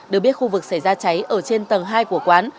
được biết khu vực xảy ra cháy ở trên tầng hai của quán